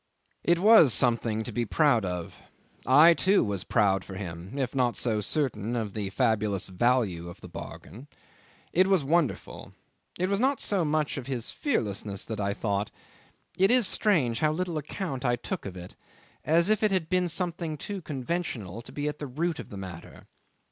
'It was something to be proud of. I, too, was proud for him, if not so certain of the fabulous value of the bargain. It was wonderful. It was not so much of his fearlessness that I thought. It is strange how little account I took of it: as if it had been something too conventional to be at the root of the matter.